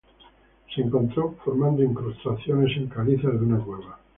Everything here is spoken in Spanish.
Se encontró formando incrustaciones en calizas de una cueva.